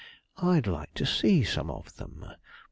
I'd like to see some of them.